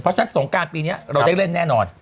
เพราะฉะนั้นสงการปีนี้เราได้เล่นแน่นอน